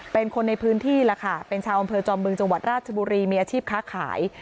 เป็นคนในพื้นที่ล่ะค่ะเป็นชาวอำเภอจอมบึงจังหวัดราชบุรีมีอาชีพค้าขาย